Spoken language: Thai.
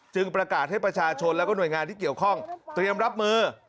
ประกาศให้ประชาชนแล้วก็หน่วยงานที่เกี่ยวข้องเตรียมรับมือ